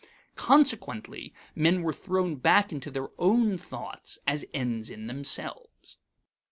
Consequently men were thrown back into their own thoughts as ends in themselves.